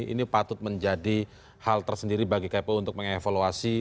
ini patut menjadi hal tersendiri bagi kpu untuk mengevaluasi